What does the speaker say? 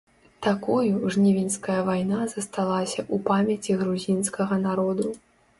Такою жнівеньская вайна засталася ў памяці грузінскага народу.